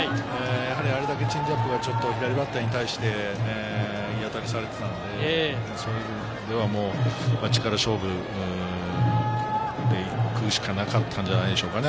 あれだけチェンジアップが左バッターに対して、いい当たりされていたので、そういう部分では力勝負で行くしかなかったんじゃないでしょうかね。